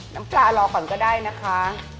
น้ำปลารอก่อนก็ได้นะคะ